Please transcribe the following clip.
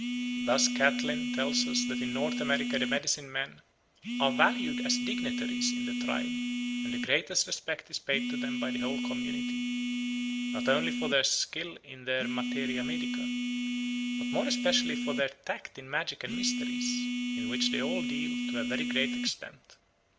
Thus Catlin tells us that in North America the medicine men "are valued as dignitaries in the tribe, and the greatest respect is paid to them by the whole community; not only for their skill in their materia medica, but more especially for their tact in magic and mysteries, in which they all deal to a very great extent.